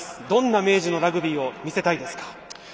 どんな明治のラグビーを見せたいですか？